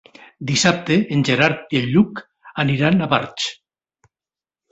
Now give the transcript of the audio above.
Dissabte en Gerard i en Lluc aniran a Barx.